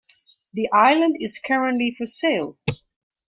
The island is currently for sale.